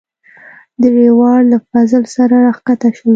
دریواړه له فضل سره راکښته شولو.